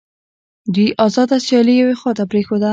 دوی آزاده سیالي یوې خواته پرېښوده